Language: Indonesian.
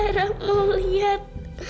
lara aku mau lihat